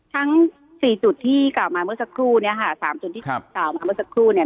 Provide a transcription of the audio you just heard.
ทั้งสี่จุดที่กล่าวมาเมื่อสักครู่เนี่ยค่ะสามจุดที่กล่าวมาเมื่อสักครู่เนี่ย